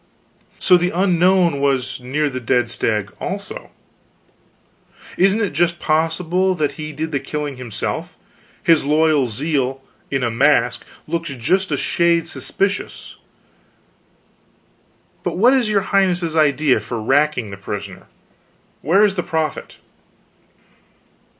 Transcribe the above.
"So the Unknown was near the dead stag, too? Isn't it just possible that he did the killing himself? His loyal zeal in a mask looks just a shade suspicious. But what is your highness's idea for racking the prisoner? Where is the profit?"